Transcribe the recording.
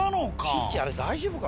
チッチあれ大丈夫か？